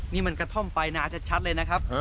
นี่มันกระท่อมปลายนาชัดเลยนะครับ